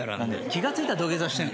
気が付いたら土下座してる。